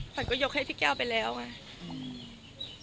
ขวัญก็ยกให้พี่แก้วไปแล้วไง